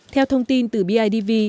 theo thông tin từ bidv